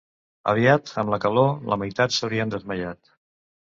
Aviat, amb la calor, la meitat s'havien desmaiat